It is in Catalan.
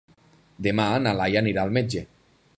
Demà na Laia anirà al metge.